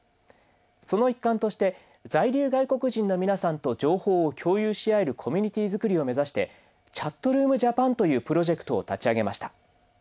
その一環として在留外国人の皆さんと情報を共有し合えるコミュニティー作りを目指して「ＣｈａｔｒｏｏｍＪａｐａｎ」というプロジェクトを立ち上げました。